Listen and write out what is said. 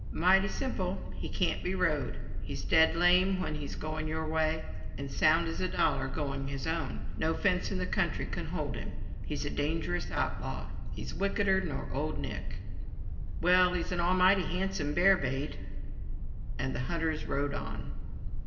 "Mighty simple. He can't be rode. He's dead lame when he's going your way and sound as a dollar going his own; no fence in the country can hold him; he's a dangerous outlaw. He's wickeder nor old Nick." "Well, he's an almighty handsome bear bait," and the hunters rode on.